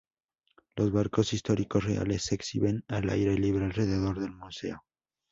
Los barcos históricos reales se exhiben al aire libre alrededor del museo.